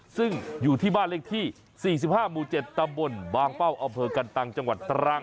ซึ่งอยู่ที่บ้านเลขที่๔๕หมู่๗ตำบลบางเป้าอำเภอกันตังจังหวัดตรัง